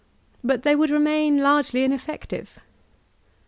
But they would remain largely ineffective.